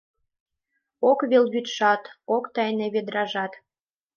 Ок вел вӱдшат, Ок тайне ведражат.